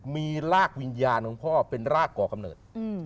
มีรากวิญญาณของพ่อเป็นรากก่อกำเนิด